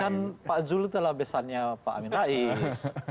kan pak zulkifli telah besarnya pak amin rais